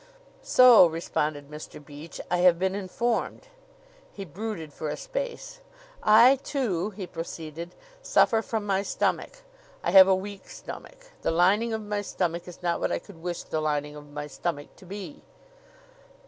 "So," responded Mr. Beach, "I have been informed." He brooded for a space. "I, too," he proceeded, "suffer from my stomach. I have a weak stomach. The lining of my stomach is not what I could wish the lining of my stomach to be."